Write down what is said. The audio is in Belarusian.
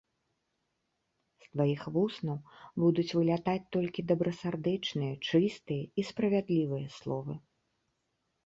З тваіх вуснаў будуць вылятаць толькі добрасардэчныя, чыстыя і справядлівыя словы.